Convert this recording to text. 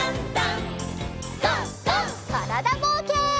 からだぼうけん。